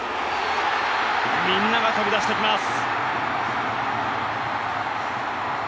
みんなが飛び出してきます。